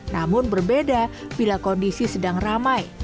namun berbeda bila kondisi sedang ramai